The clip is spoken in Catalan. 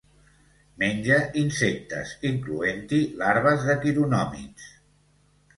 Menja insectes, incloent-hi larves de quironòmids.